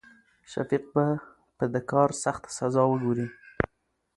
شفيق به په د کار سخته سزا وګوري.